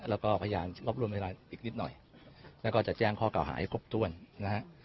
แล้วก็พยานรบรวมเวลาอีกนิดหน่อยแล้วก็จะแจ้งข้อเก่าหาให้ครบถ้วนนะฮะ